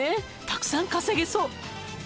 たくさん稼げそう」